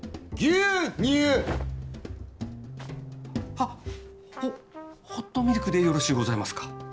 はっホホットミルクでよろしゅうございますか？